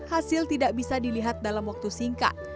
hasil tidak bisa dilihat dalam waktu singkat